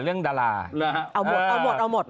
เรื่องดาราเอาหมด